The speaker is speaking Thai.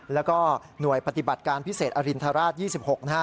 แล้วก็หน่วยปฏิบัติการพิเศษอรินทราช๒๖นะฮะ